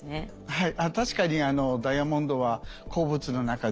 はい。